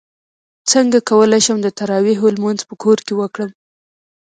څنګه کولی شم د تراویحو لمونځ په کور کې وکړم